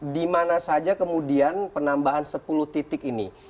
di mana saja kemudian penambahan sepuluh titik ini